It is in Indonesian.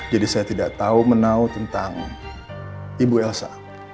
jadi saya tidak tahu menau tentang ibu elsa